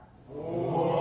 お！